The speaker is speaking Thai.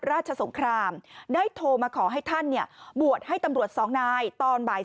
สงครามได้โทรมาขอให้ท่านเนี่ยบวชให้ตำรวจสองนายตอนบ่าย